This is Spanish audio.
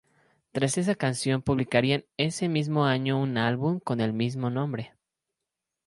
Tras esta canción publicarían ese mismo año un álbum con el mismo nombre.